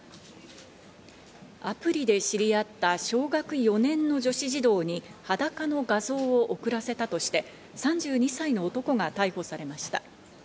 アプリで知り合った小学４年の女子児童に裸の画像を送らせたとして、３２歳の男が逮捕されました。